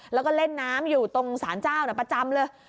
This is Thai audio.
แล้วก็เล่นน้ำอยู่ตรงสารเจ้าประจำเลย